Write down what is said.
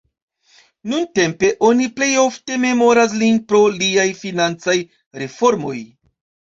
Nuntempe oni plej ofte memoras lin pro liaj financaj reformoj.